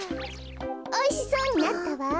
おいしそうになったわ。